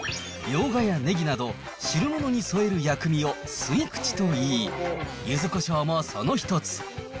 ミョウガやネギなど、汁物に添える薬味を吸い口といい、ゆずこしょうもその一つ。